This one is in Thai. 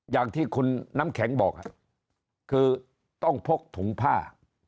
อย่างที่คุณน้ำแข็งบอกคือต้องพกถุงผ้า